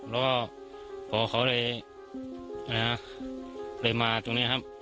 แล้วก็พอเขาเลยมาตรงนี้ครับ